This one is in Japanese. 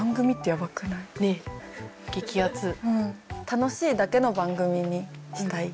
楽しいだけの番組にしたい。